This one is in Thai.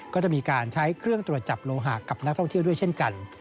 ก็จะมีการใช้เครื่องตรวจจับโลหะกับนักท่องเที่ยวด้วยเช่นกัน